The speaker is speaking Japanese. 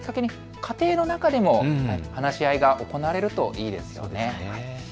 家庭の中でも話し合いが行われるといいですよね。